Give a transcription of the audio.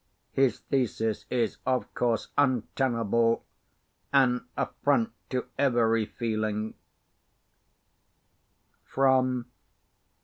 His thesis is, of course, untenable an affront to every feeling.